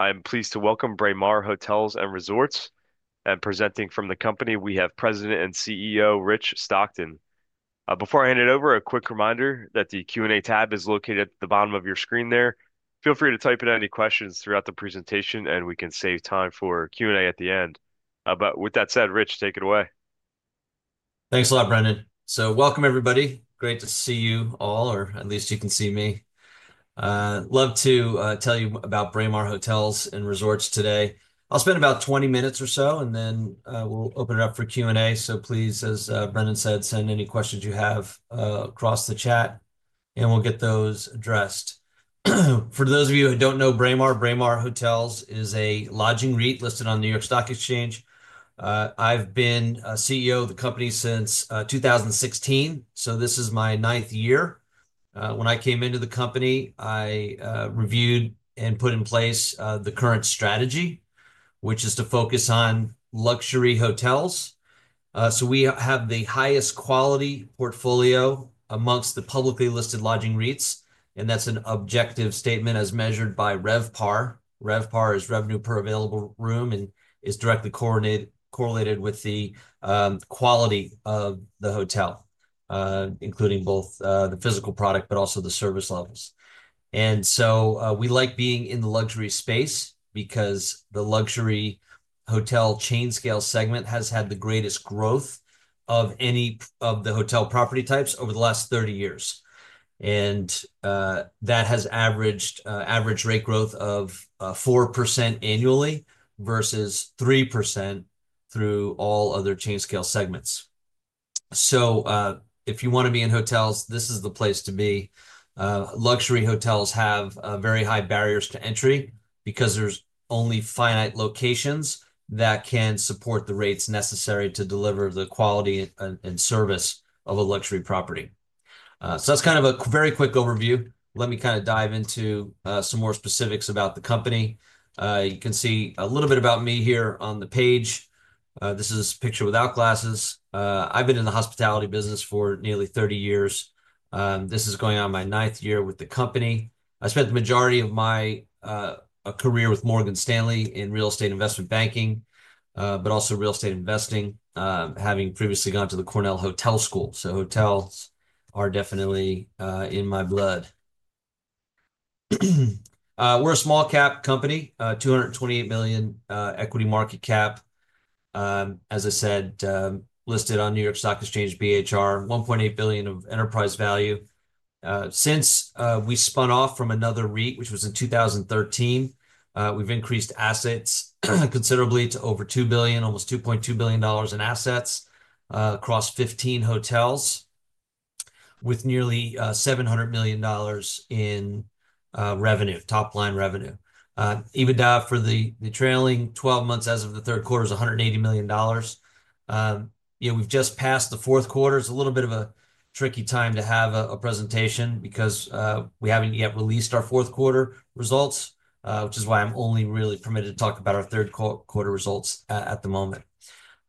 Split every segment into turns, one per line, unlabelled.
I'm pleased to welcome Braemar Hotels & Resorts. And presenting from the company, we have President and CEO Rich Stockton. Before I hand it over, a quick reminder that the Q&A tab is located at the bottom of your screen there. Feel free to type in any questions throughout the presentation, and we can save time for Q&A at the end. But with that said, Rich, take it away.
Thanks a lot, Brandon. So welcome, everybody. Great to see you all, or at least you can see me. Love to tell you about Braemar Hotels & Resorts today. I'll spend about 20 minutes or so, and then we'll open it up for Q&A. So please, as Brandon said, send any questions you have across the chat, and we'll get those addressed. For those of you who don't know Braemar, Braemar Hotels & Resorts is a lodging REIT listed on the New York Stock Exchange. I've been CEO of the company since 2016, so this is my ninth year. When I came into the company, I reviewed and put in place the current strategy, which is to focus on luxury hotels. So we have the highest quality portfolio amongst the publicly listed lodging REITs, and that's an objective statement as measured by RevPAR. RevPAR is Revenue Per Available Room and is directly correlated with the quality of the hotel, including both the physical product, but also the service levels, and so we like being in the luxury space because the luxury hotel chain scale segment has had the greatest growth of any of the hotel property types over the last 30 years, and that has averaged average rate growth of 4% annually versus 3% through all other chain scale segments, so if you want to be in hotels, this is the place to be. Luxury hotels have very high barriers to entry because there's only finite locations that can support the rates necessary to deliver the quality and service of a luxury property, so that's kind of a very quick overview. Let me kind of dive into some more specifics about the company. You can see a little bit about me here on the page. This is a picture without glasses. I've been in the hospitality business for nearly 30 years. This is going on my ninth year with the company. I spent the majority of my career with Morgan Stanley in real estate investment banking, but also real estate investing, having previously gone to the Cornell Hotel School. So hotels are definitely in my blood. We're a small cap company, $228 million equity market cap, as I said, listed on New York Stock Exchange BHR, $1.8 billion of enterprise value. Since we spun off from another REIT, which was in 2013, we've increased assets considerably to over $2 billion, almost $2.2 billion in assets across 15 hotels, with nearly $700 million in revenue, top line revenue. Even for the trailing 12 months as of the third quarter is $180 million. We've just passed the fourth quarter. It's a little bit of a tricky time to have a presentation because we haven't yet released our fourth quarter results, which is why I'm only really permitted to talk about our third quarter results at the moment.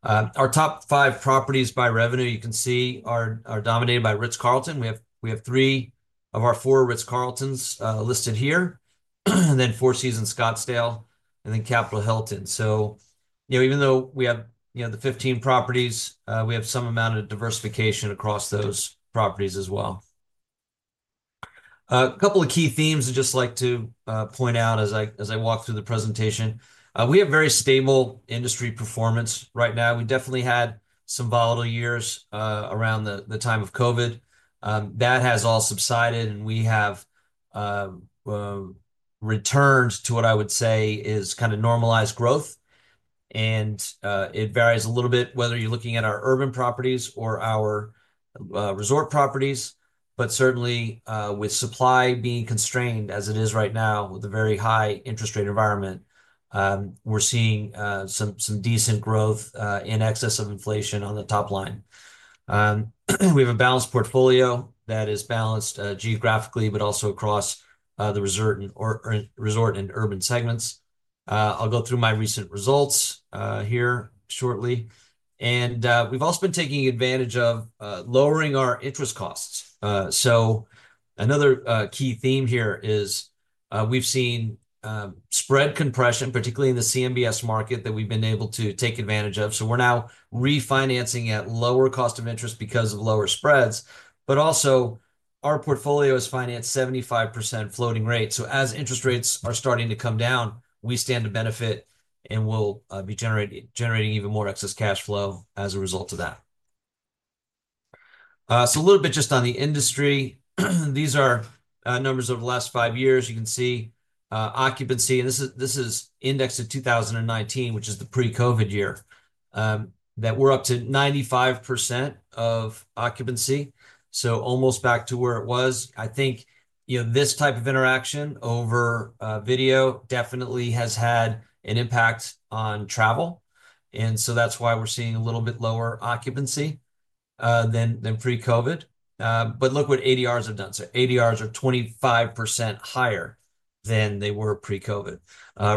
Our top five properties by revenue, you can see, are dominated by Ritz-Carlton. We have three of our four Ritz-Carltons listed here, and then Four Seasons Scottsdale, and then Capital Hilton. So even though we have the 15 properties, we have some amount of diversification across those properties as well. A couple of key themes I'd just like to point out as I walk through the presentation. We have very stable industry performance right now. We definitely had some volatile years around the time of COVID. That has all subsided, and we have returns to what I would say is kind of normalized growth. And it varies a little bit whether you're looking at our urban properties or our resort properties, but certainly with supply being constrained as it is right now with a very high interest rate environment, we're seeing some decent growth in excess of inflation on the top line. We have a balanced portfolio that is balanced geographically, but also across the resort and urban segments. I'll go through my recent results here shortly. And we've also been taking advantage of lowering our interest costs. So another key theme here is we've seen spread compression, particularly in the CMBS market, that we've been able to take advantage of. So we're now refinancing at lower cost of interest because of lower spreads, but also our portfolio is financed 75% floating rate. So as interest rates are starting to come down, we stand to benefit and will be generating even more excess cash flow as a result of that. So a little bit just on the industry. These are numbers over the last five years. You can see occupancy, and this is indexed to 2019, which is the pre-COVID year, that we're up to 95% of occupancy. So almost back to where it was. I think this type of interaction over video definitely has had an impact on travel. And so that's why we're seeing a little bit lower occupancy than pre-COVID. But look what ADRs have done. So ADRs are 25% higher than they were pre-COVID,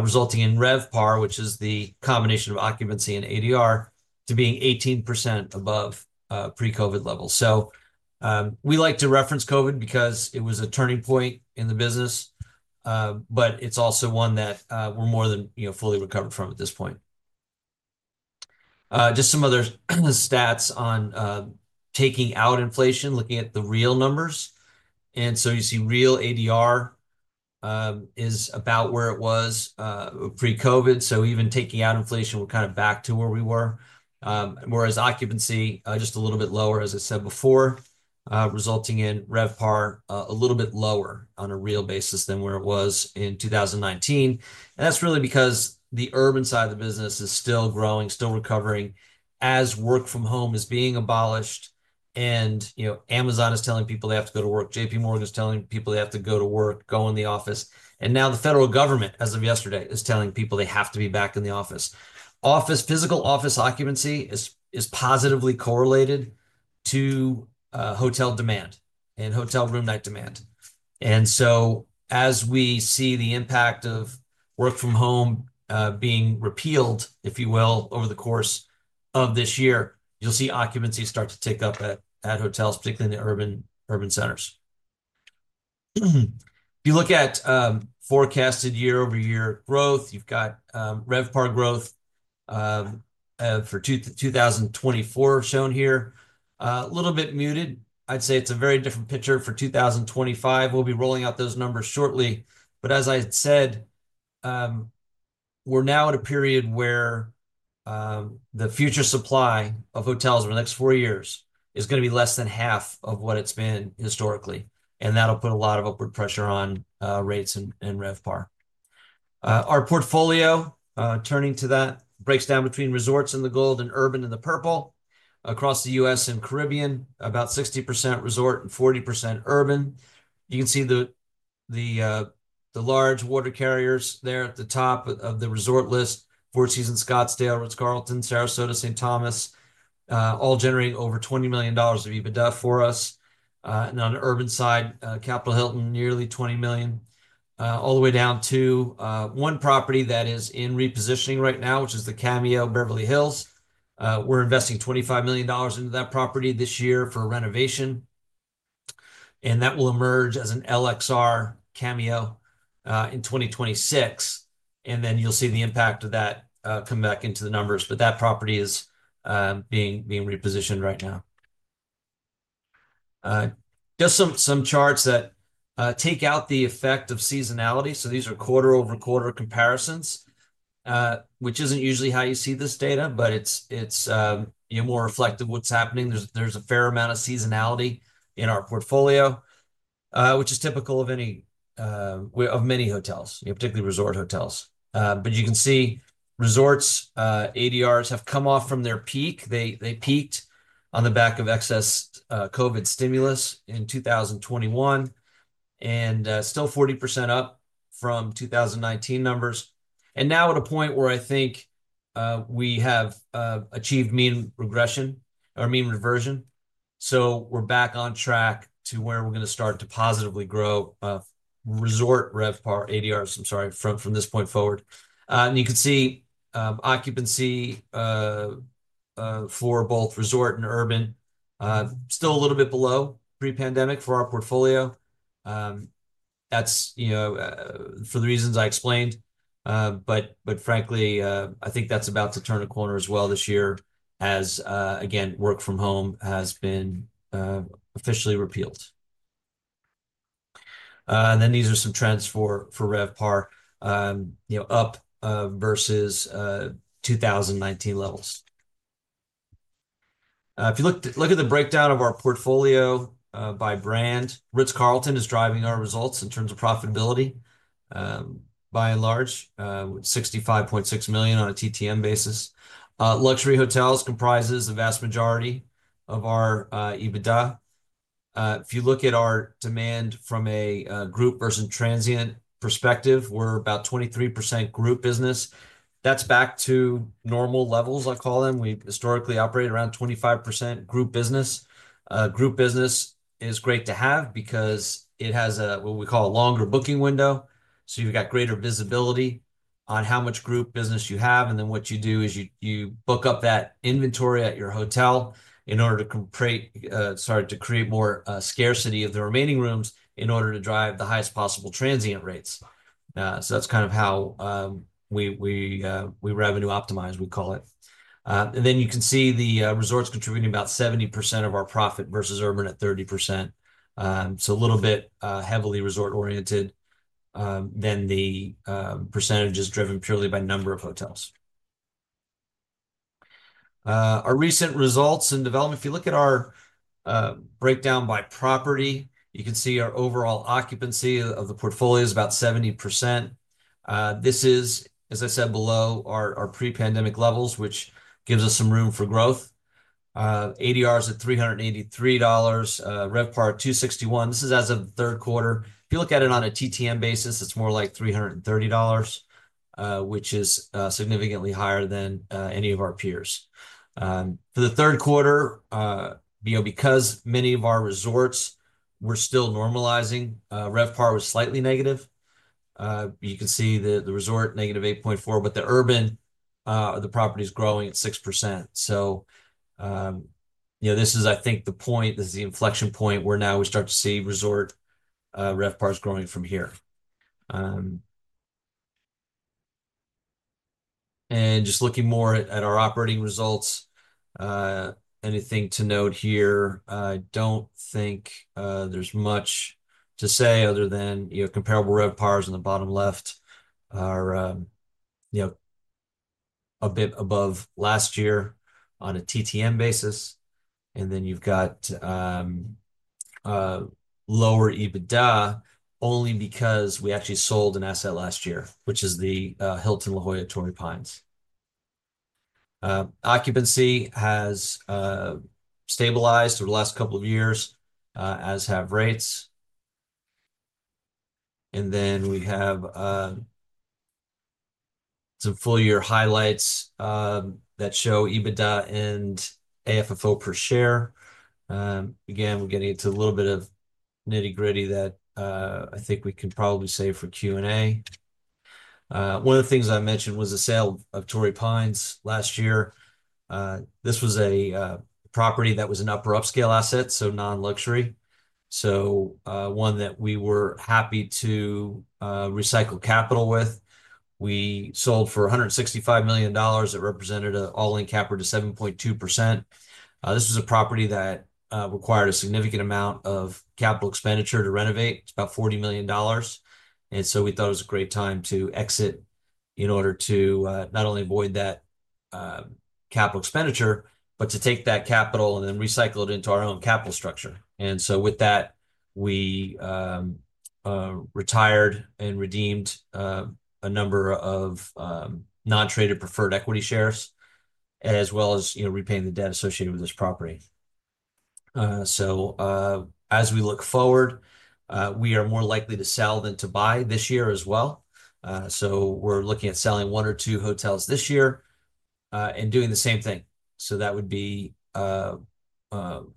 resulting in RevPAR, which is the combination of occupancy and ADR, to being 18% above pre-COVID levels. So we like to reference COVID because it was a turning point in the business, but it's also one that we're more than fully recovered from at this point. Just some other stats on taking out inflation, looking at the real numbers. And so you see real ADR is about where it was pre-COVID. So even taking out inflation, we're kind of back to where we were. Whereas occupancy, just a little bit lower, as I said before, resulting in RevPAR a little bit lower on a real basis than where it was in 2019. And that's really because the urban side of the business is still growing, still recovering, as work from home is being abolished. And Amazon is telling people they have to go to work. JPMorgan is telling people they have to go to work, go in the office. And now the federal government, as of yesterday, is telling people they have to be back in the office. Physical office occupancy is positively correlated to hotel demand and hotel room night demand. And so as we see the impact of work from home being repealed, if you will, over the course of this year, you'll see occupancy start to tick up at hotels, particularly in the urban centers. If you look at forecasted year-over-year growth, you've got RevPAR growth for 2024 shown here. A little bit muted. I'd say it's a very different picture for 2025. We'll be rolling out those numbers shortly. But as I said, we're now at a period where the future supply of hotels over the next four years is going to be less than half of what it's been historically. And that'll put a lot of upward pressure on rates and RevPAR. Our portfolio, turning to that, breaks down between resorts in the gold and urban and the purple across the U.S. and Caribbean, about 60% resort and 40% urban. You can see the large water carriers there at the top of the resort list, Four Seasons Scottsdale, Ritz-Carlton Sarasota, St. Thomas, all generating over $20 million of EBITDA for us. And on the urban side, Capital Hilton, nearly $20 million, all the way down to one property that is in repositioning right now, which is the Cameo Beverly Hills. We're investing $25 million into that property this year for renovation. And that will emerge as an LXR Cameo in 2026. And then you'll see the impact of that come back into the numbers. But that property is being repositioned right now. Just some charts that take out the effect of seasonality. So these are quarter-over-quarter comparisons, which isn't usually how you see this data, but it's more reflective of what's happening. There's a fair amount of seasonality in our portfolio, which is typical of many hotels, particularly resort hotels. But you can see resorts' ADRs have come off from their peak. They peaked on the back of excess COVID stimulus in 2021 and still 40% up from 2019 numbers. And now at a point where I think we have achieved mean regression or mean reversion. So we're back on track to where we're going to start to positively grow resort RevPAR ADRs, I'm sorry, from this point forward. And you can see occupancy for both resort and urban still a little bit below pre-pandemic for our portfolio. That's for the reasons I explained. But frankly, I think that's about to turn a corner as well this year as, again, work from home has been officially repealed. And then these are some trends for RevPAR up versus 2019 levels. If you look at the breakdown of our portfolio by brand, Ritz-Carlton is driving our results in terms of profitability by and large, with $65.6 million on a TTM basis. Luxury hotels comprises the vast majority of our EBITDA. If you look at our demand from a group versus transient perspective, we're about 23% group business. That's back to normal levels, I call them. We historically operate around 25% group business. Group business is great to have because it has what we call a longer booking window. So you've got greater visibility on how much group business you have. And then what you do is you book up that inventory at your hotel in order to create more scarcity of the remaining rooms in order to drive the highest possible transient rates. So that's kind of how we revenue optimize, we call it. And then you can see the resorts contributing about 70% of our profit versus urban at 30%. So a little bit heavily resort-oriented than the percentage is driven purely by number of hotels. Our recent results and development, if you look at our breakdown by property, you can see our overall occupancy of the portfolio is about 70%. This is, as I said, below our pre-pandemic levels, which gives us some room for growth. ADRs at $383, RevPAR at $261. This is as of the third quarter. If you look at it on a TTM basis, it's more like $330, which is significantly higher than any of our peers. For the third quarter, because many of our resorts were still normalizing, RevPAR was slightly negative. You can see the resort negative 8.4%, but the urban, the property is growing at 6%. So this is, I think, the point. This is the inflection point where now we start to see resort RevPARs growing from here. And just looking more at our operating results, anything to note here, I don't think there's much to say other than comparable RevPARs on the bottom left are a bit above last year on a TTM basis. And then you've got lower EBITDA only because we actually sold an asset last year, which is the Hilton La Jolla Torrey Pines. Occupancy has stabilized over the last couple of years, as have rates. And then we have some full-year highlights that show EBITDA and AFFO per share. Again, we're getting into a little bit of nitty-gritty that I think we can probably save for Q&A. One of the things I mentioned was the sale of Torrey Pines last year. This was a property that was an upper upscale asset, so non-luxury. So one that we were happy to recycle capital with. We sold for $165 million. It represented an all-in cap rate of 7.2%. This was a property that required a significant amount of capital expenditure to renovate. It's about $40 million. And so we thought it was a great time to exit in order to not only avoid that capital expenditure, but to take that capital and then recycle it into our own capital structure. With that, we retired and redeemed a number of non-traded preferred equity shares, as well as repaying the debt associated with this property. As we look forward, we are more likely to sell than to buy this year as well. We are looking at selling one or two hotels this year and doing the same thing. That would be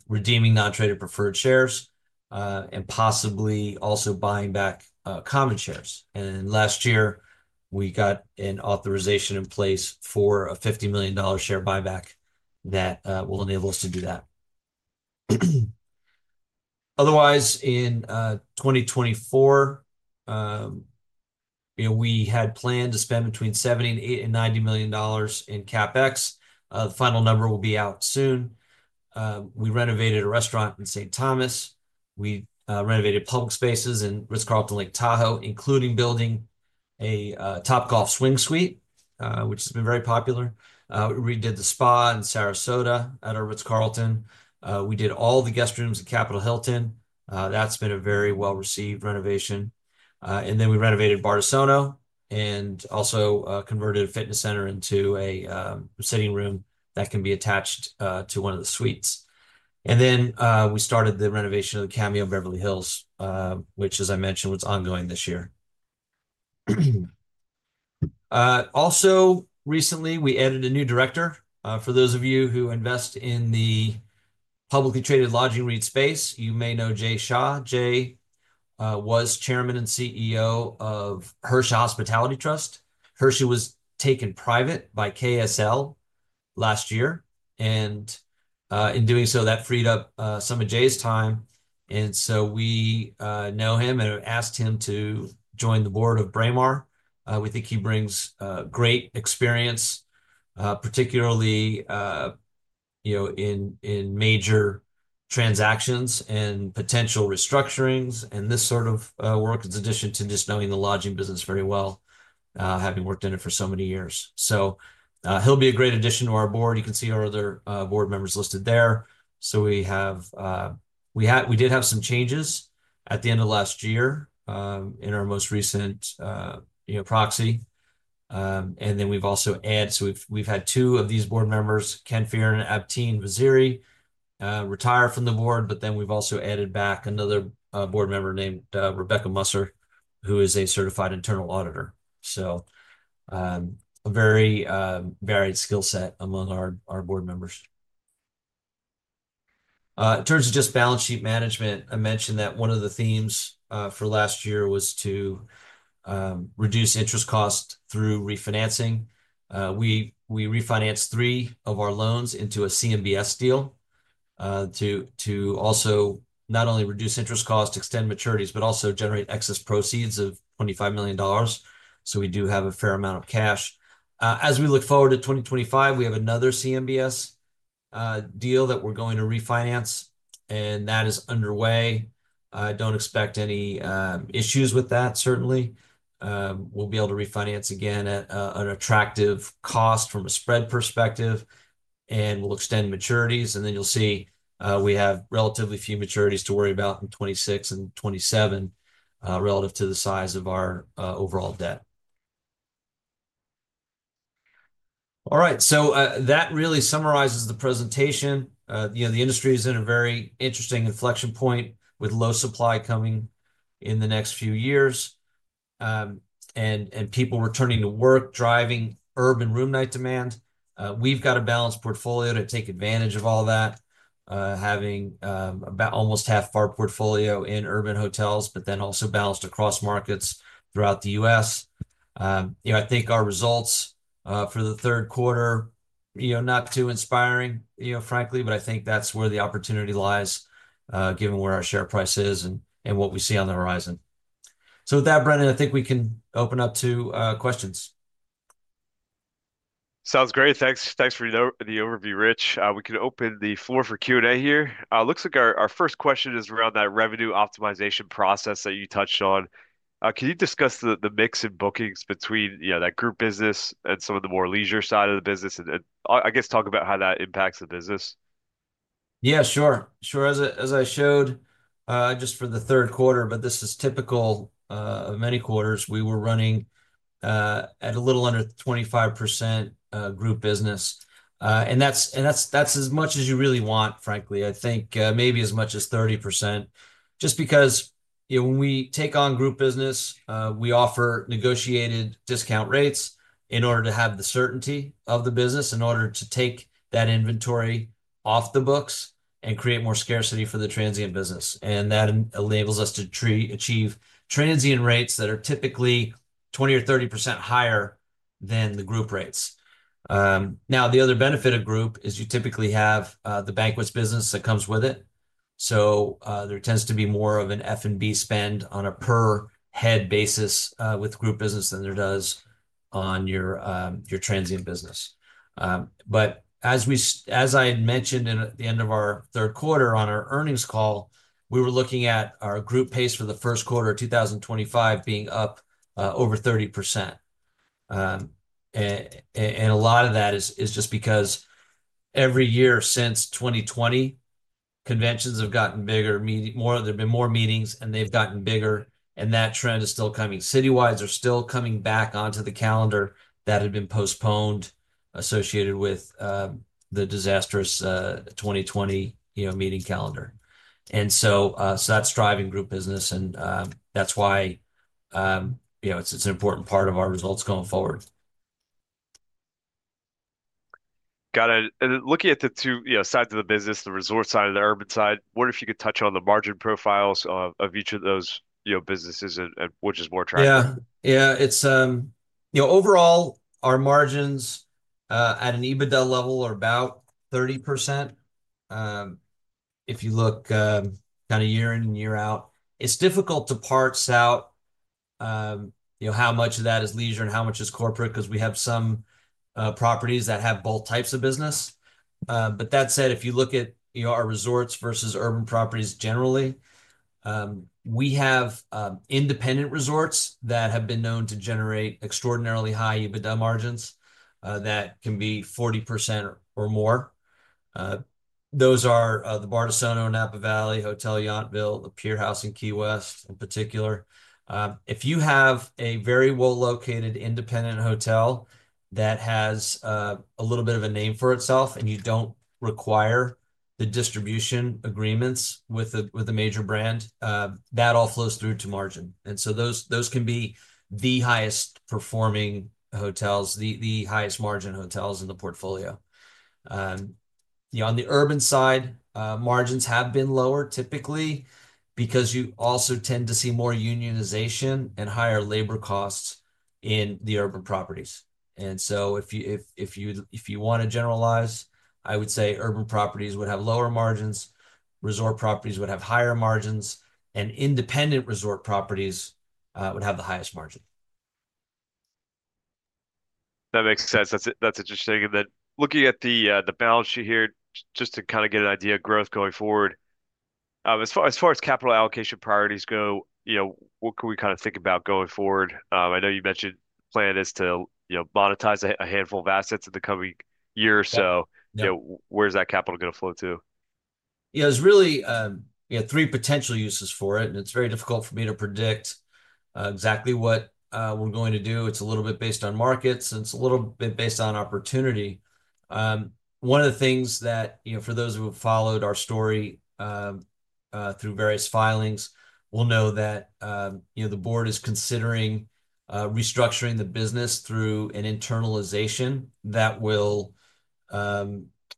redeeming non-traded preferred shares and possibly also buying back common shares. Last year, we got an authorization in place for a $50 million share buyback that will enable us to do that. Otherwise, in 2024, we had planned to spend between $70 and $90 million in CapEx. The final number will be out soon. We renovated a restaurant in St. Thomas. We renovated public spaces in Ritz-Carlton Lake Tahoe, including building a Topgolf Swing Suite, which has been very popular. We redid the spa in Sarasota at our Ritz-Carlton. We did all the guest rooms at Capital Hilton. That's been a very well-received renovation. And then we renovated Bardessono and also converted a fitness center into a sitting room that can be attached to one of the suites. And then we started the renovation of the Cameo Beverly Hills, which, as I mentioned, was ongoing this year. Also, recently, we added a new director. For those of you who invest in the publicly traded lodging REIT space, you may know Jay Shah. Jay was Chairman and CEO of Hersha Hospitality Trust. Hersha was taken private by KSL last year. And in doing so, that freed up some of Jay's time. And so we know him and have asked him to join the board of Braemar. We think he brings great experience, particularly in major transactions and potential restructurings. And this sort of work is in addition to just knowing the lodging business very well, having worked in it for so many years. So he'll be a great addition to our board. You can see our other board members listed there. So we did have some changes at the end of last year in our most recent proxy. And then we've also added, so we've had two of these board members, Ken Fearn and Abtin Vaziri, retire from the board, but then we've also added back another board member named Rebecca Meisel, who is a certified internal auditor. So a very varied skill set among our board members. In terms of just balance sheet management, I mentioned that one of the themes for last year was to reduce interest costs through refinancing. We refinanced three of our loans into a CMBS deal to also not only reduce interest costs, extend maturities, but also generate excess proceeds of $25 million. So we do have a fair amount of cash. As we look forward to 2025, we have another CMBS deal that we're going to refinance, and that is underway. I don't expect any issues with that, certainly. We'll be able to refinance again at an attractive cost from a spread perspective, and we'll extend maturities. And then you'll see we have relatively few maturities to worry about in 2026 and 2027 relative to the size of our overall debt. All right. So that really summarizes the presentation. The industry is in a very interesting inflection point with low supply coming in the next few years. And people returning to work, driving urban room night demand. We've got a balanced portfolio to take advantage of all that, having almost half our portfolio in urban hotels, but then also balanced across markets throughout the U.S. I think our results for the third quarter, not too inspiring, frankly, but I think that's where the opportunity lies given where our share price is and what we see on the horizon. So with that, Brandon, I think we can open up to questions. Sounds great. Thanks for the overview, Rich. We can open the floor for Q&A here. Looks like our first question is around that revenue optimization process that you touched on. Can you discuss the mix in bookings between that group business and some of the more leisure side of the business? And I guess talk about how that impacts the business. Yeah, sure. Sure. As I showed just for the third quarter, but this is typical of many quarters. We were running at a little under 25% group business. And that's as much as you really want, frankly. I think maybe as much as 30%. Just because when we take on group business, we offer negotiated discount rates in order to have the certainty of the business, in order to take that inventory off the books and create more scarcity for the transient business. And that enables us to achieve transient rates that are typically 20% or 30% higher than the group rates. Now, the other benefit of group is you typically have the banquets business that comes with it. So there tends to be more of an F&B spend on a per-head basis with group business than there does on your transient business. But as I had mentioned at the end of our third quarter on our earnings call, we were looking at our group pace for the first quarter of 2025 being up over 30%. And a lot of that is just because every year since 2020, conventions have gotten bigger. There have been more meetings, and they've gotten bigger, and that trend is still coming. Citywides are still coming back onto the calendar that had been postponed associated with the disastrous 2020 meeting calendar. And so that's driving group business, and that's why it's an important part of our results going forward.
Got it. And looking at the two sides of the business, the resort side and the urban side, what if you could touch on the margin profiles of each of those businesses, which is more attractive?
Yeah. Yeah. Overall, our margins at an EBITDA level are about 30%. If you look kind of year in and year out, it's difficult to parse out how much of that is leisure and how much is corporate because we have some properties that have both types of business. But that said, if you look at our resorts versus urban properties generally, we have independent resorts that have been known to generate extraordinarily high EBITDA margins that can be 40% or more. Those are the Bardessono and Hotel Yountville, the Pier House in Key West in particular. If you have a very well-located independent hotel that has a little bit of a name for itself and you don't require the distribution agreements with a major brand, that all flows through to margin. And so those can be the highest-performing hotels, the highest-margin hotels in the portfolio. On the urban side, margins have been lower typically because you also tend to see more unionization and higher labor costs in the urban properties. And so if you want to generalize, I would say urban properties would have lower margins, resort properties would have higher margins, and independent resort properties would have the highest margin. That makes sense. That's interesting. And then looking at the balance sheet here, just to kind of get an idea of growth going forward, as far as capital allocation priorities go, what can we kind of think about going forward? I know you mentioned the plan is to monetize a handful of assets in the coming year or so. Where's that capital going to flow to? Yeah. There's really three potential uses for it, and it's very difficult for me to predict exactly what we're going to do. It's a little bit based on markets, and it's a little bit based on opportunity. One of the things that, for those who have followed our story through various filings, will know that the board is considering restructuring the business through an internalization that will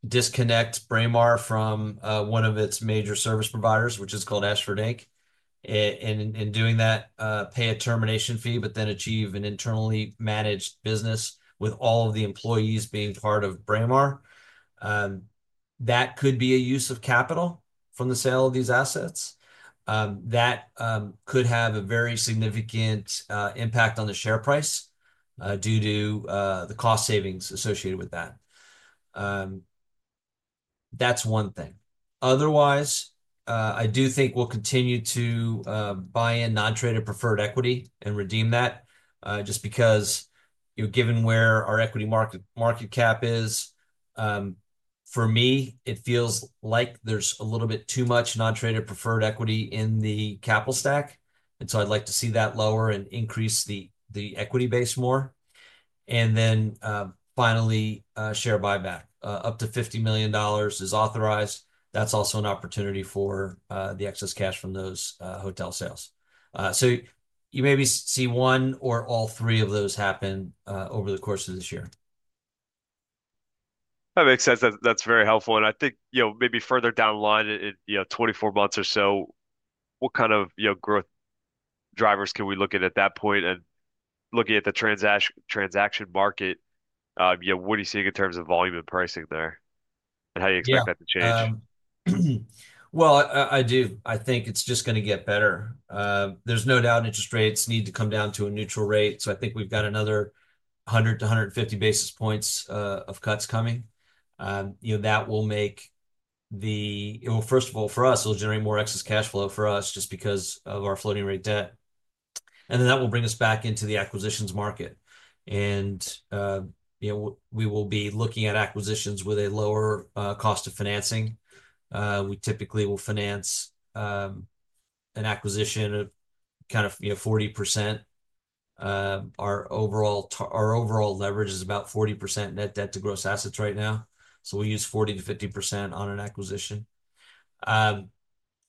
disconnect Braemar from one of its major service providers, which is called Ashford Inc. And in doing that, pay a termination fee, but then achieve an internally managed business with all of the employees being part of Braemar. That could be a use of capital from the sale of these assets. That could have a very significant impact on the share price due to the cost savings associated with that. That's one thing. Otherwise, I do think we'll continue to buy in non-traded preferred equity and redeem that just because, given where our equity market cap is, for me, it feels like there's a little bit too much non-traded preferred equity in the capital stack, and so I'd like to see that lower and increase the equity base more, and then finally, share buyback up to $50 million is authorized. That's also an opportunity for the excess cash from those hotel sales, so you maybe see one or all three of those happen over the course of this year.
That makes sense. That's very helpful, and I think maybe further down the line, in 24 months or so, what kind of growth drivers can we look at at that point? And looking at the transaction market, what are you seeing in terms of volume and pricing there? And how do you expect that to change?
Well, I do. I think it's just going to get better. There's no doubt interest rates need to come down to a neutral rate. So I think we've got another 100 to 150 basis points of cuts coming. That will make the, well, first of all, for us, it'll generate more excess cash flow for us just because of our floating rate debt. And then that will bring us back into the acquisitions market. And we will be looking at acquisitions with a lower cost of financing. We typically will finance an acquisition of kind of 40%. Our overall leverage is about 40% net debt to gross assets right now. So we use 40%-50% on an acquisition.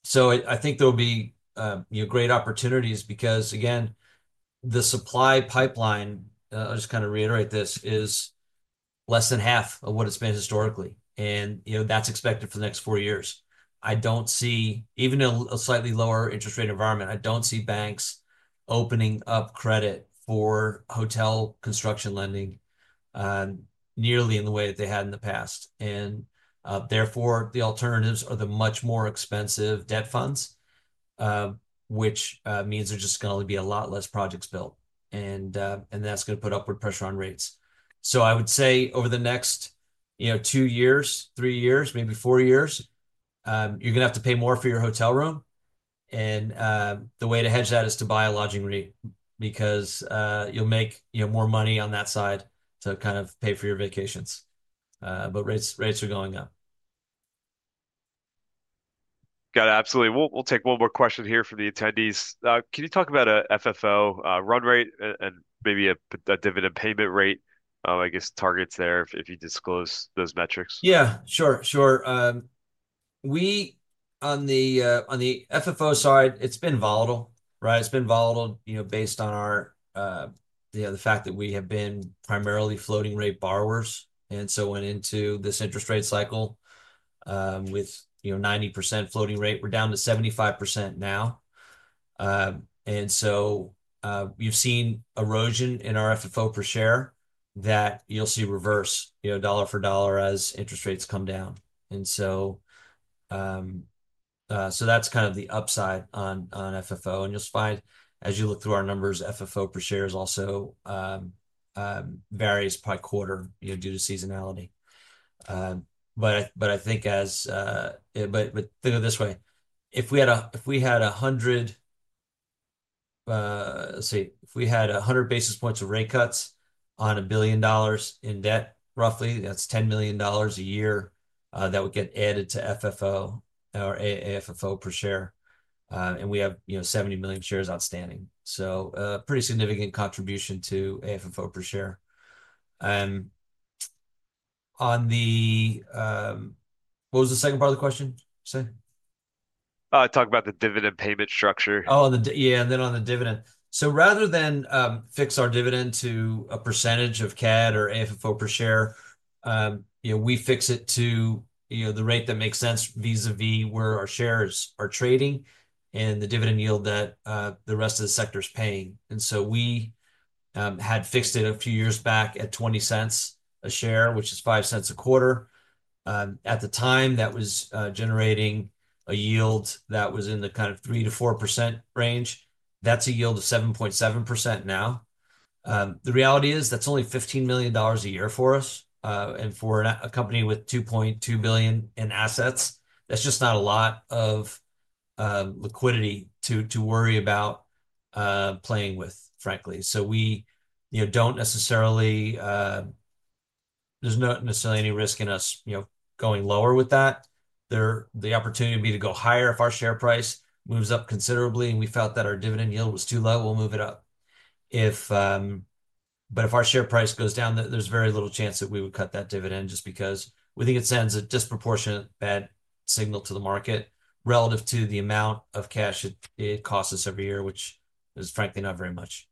So I think there will be great opportunities because, again, the supply pipeline, I'll just kind of reiterate this, is less than half of what it's been historically. And that's expected for the next four years. I don't see, even in a slightly lower interest rate environment, I don't see banks opening up credit for hotel construction lending nearly in the way that they had in the past. And therefore, the alternatives are the much more expensive debt funds, which means there's just going to be a lot less projects built. And that's going to put upward pressure on rates. So I would say over the next two years, three years, maybe four years, you're going to have to pay more for your hotel room. And the way to hedge that is to buy a lodging rate because you'll make more money on that side to kind of pay for your vacations. But rates are going up.
Got it. Absolutely. We'll take one more question here for the attendees. Can you talk about an FFO run rate and maybe a dividend payment rate, I guess, targets there if you disclose those metrics?
Yeah. Sure. Sure. On the FFO side, it's been volatile, right? It's been volatile based on the fact that we have been primarily floating rate borrowers. And so went into this interest rate cycle with 90% floating rate. We're down to 75% now. And so you've seen erosion in our FFO per share that you'll see reverse dollar for dollar as interest rates come down. And so that's kind of the upside on FFO. You'll find, as you look through our numbers, FFO per share also varies by quarter due to seasonality. Think of it this way. If we had 100 basis points of rate cuts on $1 billion in debt, roughly, that's $10 million a year that would get added to FFO or AFFO per share. We have 70 million shares outstanding, so pretty significant contribution to AFFO per share. What was the second part of the question? Say?
Talk about the dividend payment structure.
Oh, yeah. Then on the dividend. Rather than fix our dividend to a percentage of CAD or AFFO per share, we fix it to the rate that makes sense vis-à-vis where our shares are trading and the dividend yield that the rest of the sector is paying. And so we had fixed it a few years back at $0.20 a share, which is $0.05 a quarter. At the time, that was generating a yield that was in the kind of 3%-4% range. That's a yield of 7.7% now. The reality is that's only $15 million a year for us. And for a company with $2.2 billion in assets, that's just not a lot of liquidity to worry about playing with, frankly. So we don't necessarily, there's not necessarily any risk in us going lower with that. The opportunity would be to go higher if our share price moves up considerably and we felt that our dividend yield was too low, we'll move it up. But if our share price goes down, there's very little chance that we would cut that dividend just because we think it sends a disproportionate bad signal to the market relative to the amount of cash it costs us every year, which is frankly not very much.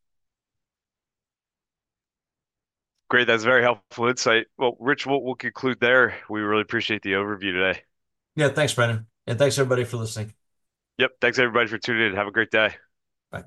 Great. That's very helpful insight. Well, Rich, we'll conclude there. We really appreciate the overview today.
Yeah. Thanks, Brandon. And thanks, everybody, for listening.
Yep. Thanks, everybody, for tuning in. Have a great day. Bye.